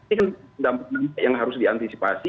ini dampak yang harus diantisipasi